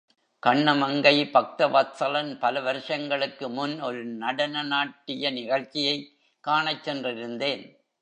கண்ணமங்கை பக்தவத்ஸலன் பல வருஷங்களுக்கு முன் ஒரு நடன நாட்டிய நிகழ்ச்சியைக் காணச் சென்றிருந்தேன்.